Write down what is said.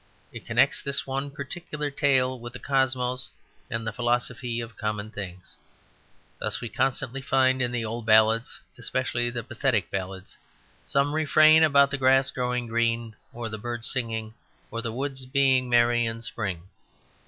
It connects this one particular tale with the cosmos and the philosophy of common things, Thus we constantly find in the old ballads, especially the pathetic ballads, some refrain about the grass growing green, or the birds singing, or the woods being merry in spring.